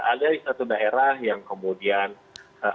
ada di satu daerah yang kemudian